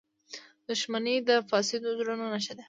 • دښمني د فاسدو زړونو نښه ده.